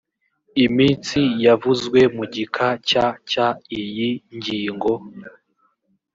iminsi yavuzwe mu gika cya cy iyi ngingo